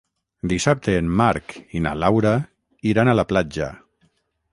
Dissabte en Marc i na Laura iran a la platja.